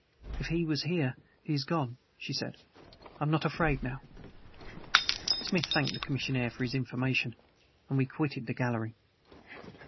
"If he was here he is gone," she said. "I am not afraid now." Smith thanked the commissionaire for his information and we quitted the gallery.